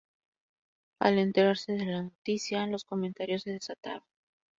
Al enterarse de la noticia, los comentarios se desataron.